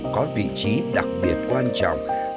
có vị trí đặc biệt quan trọng và đặc biệt quan trọng cho người dân tộc